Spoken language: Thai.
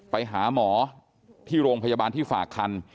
ไปหาหมอที่โรงพยาบาลที่ฝากคัน